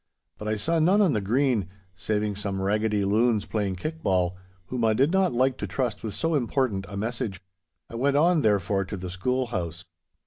But I saw none on the Green, saving some raggedy loons playing kick ball, whom I did not like to trust with so important a message. I went on, therefore, to the schoolhouse.